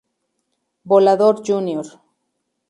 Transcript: Volador, Jr.